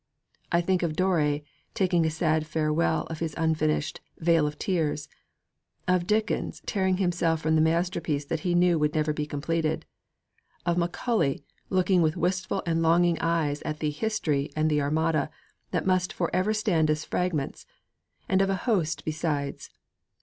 I think of Doré taking a sad farewell of his unfinished Vale of Tears; of Dickens tearing himself from the manuscript that he knew would never be completed; of Macaulay looking with wistful and longing eyes at the History and The Armada that must for ever stand as 'fragments'; and of a host besides.